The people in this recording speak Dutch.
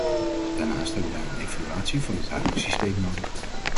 Daarnaast hebben wij een evaluatie van het huidige systeem nodig.